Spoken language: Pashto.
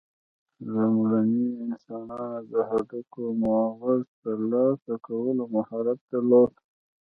لومړنیو انسانانو د هډوکو مغز ترلاسه کولو مهارت درلود.